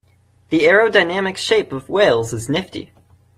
The aerodynamic shape of whales is nifty.